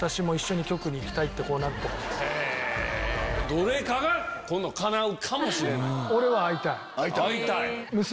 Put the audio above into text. どれかが今度かなうかもしれない。